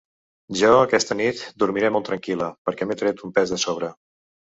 Jo, aquesta nit, dormiré molt tranquil·la, perquè m’he tret un pes de sobre.